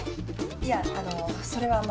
いやあのそれはまだ。